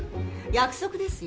約束ですよ？